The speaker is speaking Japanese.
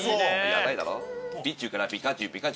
やばいだろ？